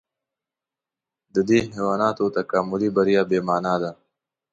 د دې حیواناتو تکاملي بریا بې مانا ده.